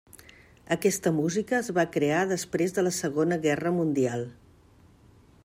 Aquesta música es va crear després de la Segona Guerra Mundial.